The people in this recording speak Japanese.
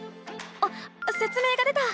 あっせつ明が出た！